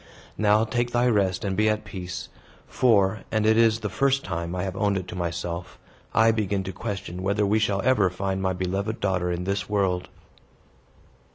Now, take thy rest, and be at peace. For and it is the first time I have owned it to myself I begin to question whether we shall ever find my beloved daughter in this world."